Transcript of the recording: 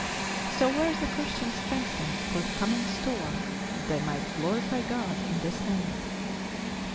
So were the Christians strengthened for the coming storm that they might " glorify God in tliis name."